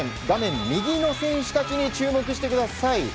画面右の選手たちに注目してください。